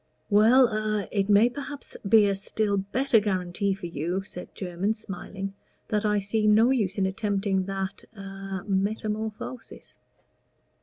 "Well a it may perhaps be a still better guarantee for you," said Jermyn, smiling, "that I see no use in attempting that a metamorphosis."